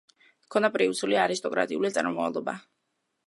ჰქონდა პრუსიული არისტოკრატიული წარმომავლობა.